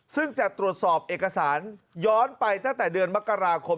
ซึ่งจะตรวจสอบเอกสารย้อนไปตั้งแต่เดือนมกราคม